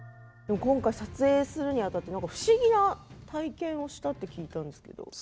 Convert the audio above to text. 今回、撮影するにあたってなんか不思議な体験をしたって聞いたんですけど。